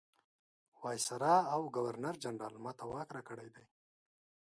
وایسرا او ګورنرجنرال ما ته واک راکړی دی.